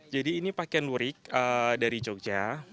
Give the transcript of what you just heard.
jadi ini pakaian lurik dari jogja